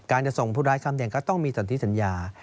จะส่งผู้ร้ายคำแดงก็ต้องมีสันที่สัญญา